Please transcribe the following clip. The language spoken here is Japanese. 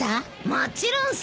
もちろんさ。